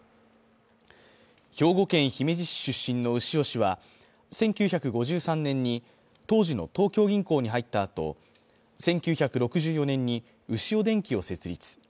兵庫県姫路市出身の牛尾氏は１９５３年に当時の東京銀行に入ったあと１９６４年にウシオ電機を設立。